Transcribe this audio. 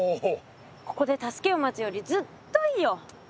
ここで助けを待つよりずっといいよ。